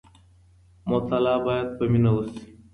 مطالعه باید په مینه وسي.